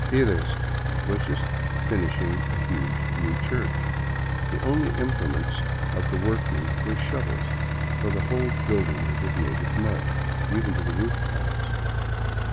lies was just finishing a huge new church. The only implements of the workmen were shovels, for the whole building was of native mud, even to the roof tiles.